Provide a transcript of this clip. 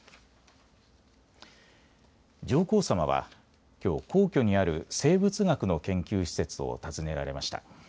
上皇さまはきょう皇居にある生物学の研究施設を訪ねられました。